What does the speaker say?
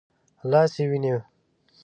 لاس يې ونیو.